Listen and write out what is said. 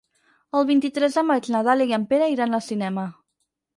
El vint-i-tres de maig na Dàlia i en Pere iran al cinema.